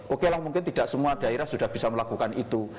oke lah mungkin tidak semua daerah sudah bisa melakukan itu